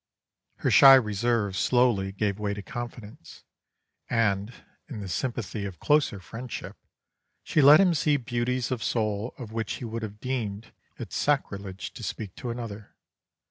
"Her shy reserve slowly gave way to confidence, and, in the sympathy of closer friendship, she let him see beauties of soul of which he would have deemed it sacrilege to speak to another.